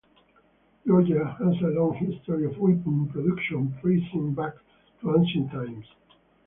Georgia has a long history of weapon production tracing back to ancient times.